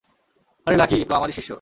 আরে লাকি তো আমারই শিষ্য।